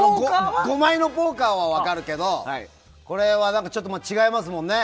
５枚のポーカーは分かるけどこれは違いますもんね。